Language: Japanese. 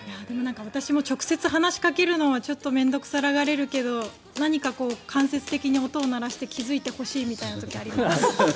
でも、私も直接話しかけるのはちょっと面倒臭がられるけど何か間接的に音を鳴らして気付いてほしいみたいな時あります。